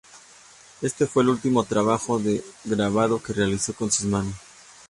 Este fue el último trabajo de grabado que realizó con sus manos.